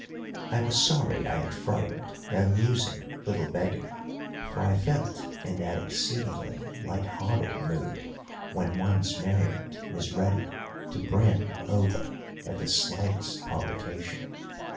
I was sorry I had frightened the amusing little beggar, for I felt in that exceedingly light hearted mood when one's merriment is ready to brim over at the slightest provocation.